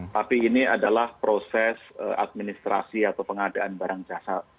tapi ini adalah proses administrasi atau pengadaan barang jasa